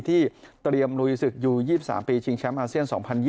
ที่เตรียมลุยศึกยู๒๓ปีชิงแชมป์อาเซียน๒๐๒๐